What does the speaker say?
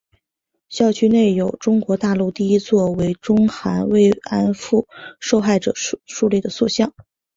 校区内有中国大陆第一座为中韩慰安妇受害者树立的塑像。